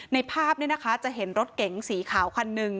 ในภาพนี้นะคะจะเห็นรถเก๋งสีขาวคันนึง